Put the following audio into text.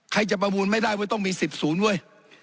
ใครจะประมูลไม่ได้ว่าต้องมี๑๐ศูนย์เว้ย